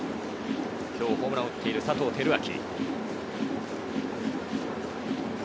今日、ホームランを打っている佐藤輝明。